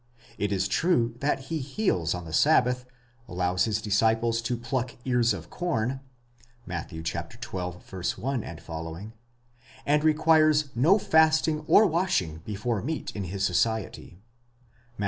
It is true that he heals on the sabbath, allows his disciples to pluck ears of corn (Matt. xii. 1 ff.), and requires no fasting or washing before meat in his society (Matt.